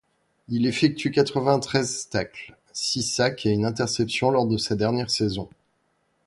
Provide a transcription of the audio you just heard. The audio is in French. Il effectue quatre-vingt-treize tacles, six sacks et une interception lors de sa dernière saison.